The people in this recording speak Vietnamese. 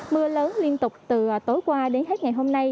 mưa lớn liên tục từ tối qua đến hết ngày hôm nay